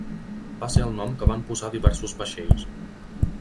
Va ser el nom que van posar a diversos vaixells.